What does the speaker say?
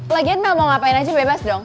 lagian mau ngapain aja bebas dong